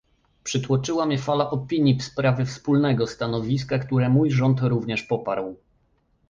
Przytłoczyła mnie fala opinii w sprawie wspólnego stanowiska, które mój rząd również poparł